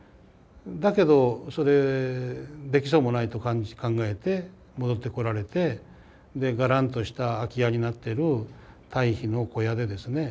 だけどそれできそうもないと感じ考えて戻ってこられてでガランとした空き家になってる堆肥の小屋でですね